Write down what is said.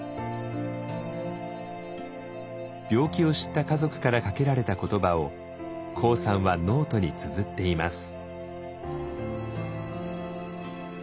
病気を知った家族からかけられた言葉をＫＯＯさんはノートにつづっています。